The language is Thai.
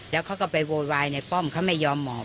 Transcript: แล้วเขาก็ไปโวยวายในป้อมเขาไม่ยอมหมอบ